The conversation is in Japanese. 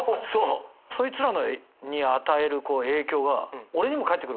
そいつらに与える影響が俺にも返ってくるから。